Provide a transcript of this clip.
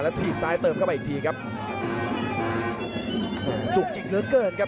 ถีบซ้ายเติมเข้าไปอีกทีครับจุกจิกเหลือเกินครับ